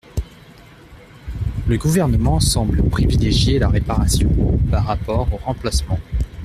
Le Gouvernement semble privilégier la réparation par rapport au remplacement.